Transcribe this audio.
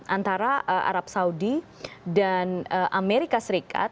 antara arab saudi dan amerika serikat